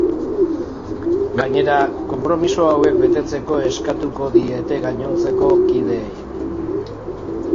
Gainera, konpromiso hauek betetzeko eskatuko diete gainontzeko kideei.